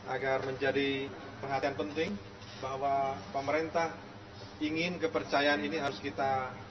agar menjadi perhatian penting bahwa pemerintah ingin kepercayaan ini harus kita